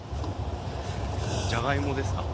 へえじゃがいもですか？